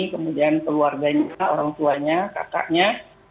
kemudian keluarganya orang tuanya